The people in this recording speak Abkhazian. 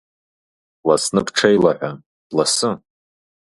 Бласны бҽеилаҳәа, бласы!